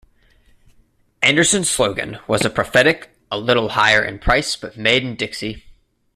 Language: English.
Anderson's slogan was a prophetic A little Higher in Price but made in Dixie.